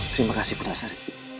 terima kasih pudak seri